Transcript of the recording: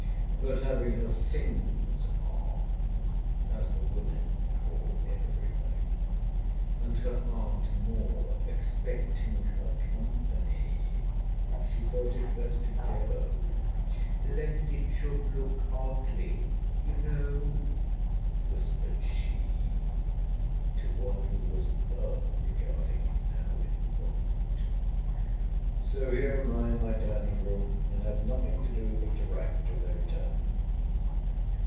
But having her things on, (as the women call every thing,) and her aunt Moore expecting her company, she thought it best to go—lest it should look oddly, you know, whispered she, to one who was above regarding how it looked. So here am I in my dining room; and have nothing to do but to write till they return.